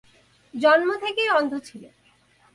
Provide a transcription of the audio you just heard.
জন্ম থেকেই অন্ধ ছিল।